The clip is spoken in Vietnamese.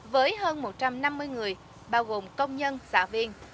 với hơn một trăm năm mươi người bao gồm công nhân xã viên